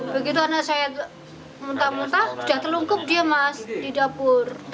begitu anak saya muntah muntah sudah telungkup dia mas di dapur